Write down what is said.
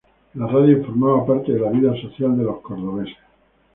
La radio formaba parte de la vida social de los cordobeses.